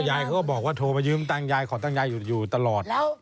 ยายเขาก็บอกว่าโทรมายืมตังค์ยายขอตั้งยายอยู่ตลอด